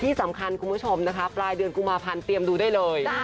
คุณผู้ชมนะคะปลายเดือนกุมภาพันธ์เตรียมดูได้เลย